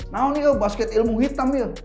nah ini kok basket ilmu hitam ya